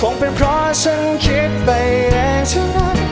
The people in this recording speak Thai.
คงเป็นเพราะฉันคิดไปเองเท่านั้น